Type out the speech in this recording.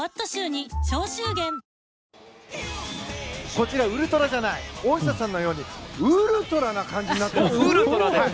こちら、ウルトラじゃない大下さんのようにウルトラ！になってます。